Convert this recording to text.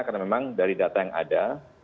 karena memang dari data yang ada